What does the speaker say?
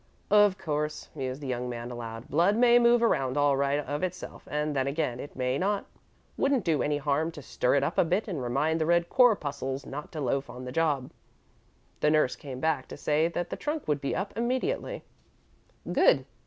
"Of course," mused the young man, aloud, "blood may move around all right of itself, and then again, it may not. Wouldn't do any harm to stir it up a bit and remind the red corpuscles not to loaf on the job." The nurse came back, to say that the trunk would be up immediately. "Good.